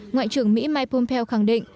ngoại trưởng mỹ mike pompeo khẳng định